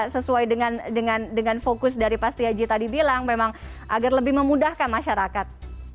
sesuai dengan fokus dari pak setiaji tadi bilang memang agar lebih memudahkan masyarakat